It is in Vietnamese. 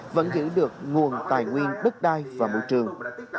vẫn giữ được nguồn tài nguyên đất đai và môi trường